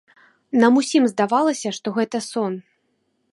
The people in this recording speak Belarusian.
Нам усім здавалася, што гэта сон.